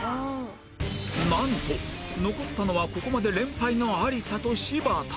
なんと残ったのはここまで連敗の有田と柴田